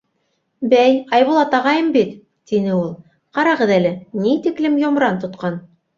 — Бәй, Айбулат ағайым бит, — тине ул. — Ҡарағыҙ әле, ни тиклем йомран тотҡан.